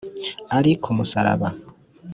Ari ku musaraba